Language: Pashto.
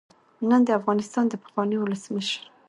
نن د افغانستان د پخواني ولسمشر